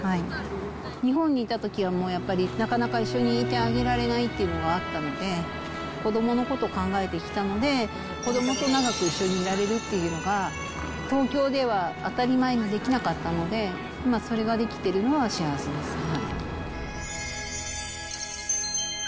日本にいたときは、もうやっぱりなかなか一緒にいてあげられないっていうのがあったので、子どものことを考えてきたので、子どもと長く一緒にいられるというのが、東京では当たり前ができなかったので、今、それができてるのは幸せですね。